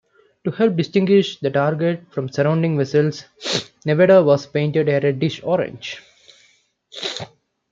To help distinguish the target from surrounding vessels, "Nevada" was painted a reddish-orange.